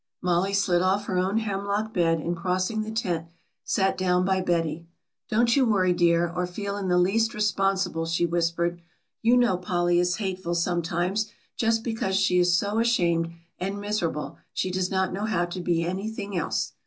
Mollie slid off her own hemlock bed and crossing the tent sat down by Betty. "Don't you worry, dear, or feel in the least responsible," she whispered, "you know Polly is hateful sometimes just because she is so ashamed and miserable she does not know how to be anything else.